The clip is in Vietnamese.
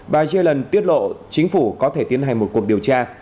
bà zelen tiết lộ chính phủ có thể tiến hành một cuộc điều tra